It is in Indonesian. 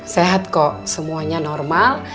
sehat kok semuanya normal